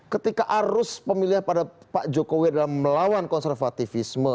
ketika arus pemilihan pada pak jokowi adalah melawan konservatifisme